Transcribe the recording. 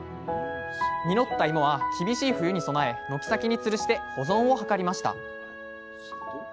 実ったいもは厳しい冬に備え軒先につるして保存を図りました。